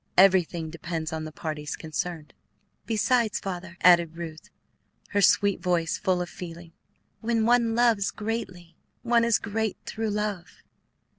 Everything depends on the parties concerned." "Besides, Father," added Ruth, her sweet voice full with feeling, "when one loves greatly, one is great through love.